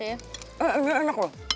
ini enak loh